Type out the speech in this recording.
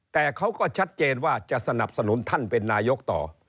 แต่เขาก็ชัดเจนว่าจะสนับสนุนท่านเป็นนายกต่อ